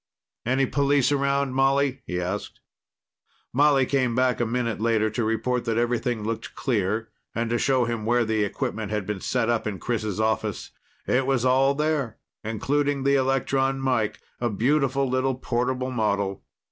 "Any police around, Molly?" he asked. Molly came back a minute later to report that everything looked clear and to show him where the equipment had been set up in Chris' office. It was all there, including the electron mike a beautiful little portable model.